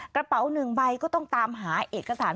กระเป๋าหนึ่งใบก็ต้องตามหาเอกสาร